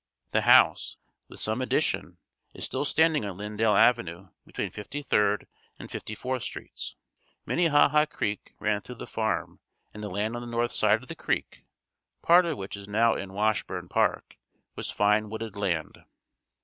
The house (with some addition) is still standing on Lyndale Avenue between Fifty Third and Fifty Fourth streets. Minnehaha creek ran through the farm and the land on the north side of the creek (part of which is now in Washburn Park) was fine wooded land.